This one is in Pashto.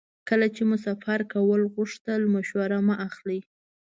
کله چې مو سفر کول غوښتل مشوره مه اخلئ.